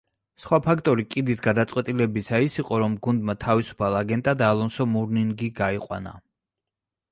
სხვა ფაქტორი კიდის გადაწყვეტილებისა ის იყო, რომ გუნდმა თავისუფალ აგენტად ალონსო მურნინგი აიყვანა.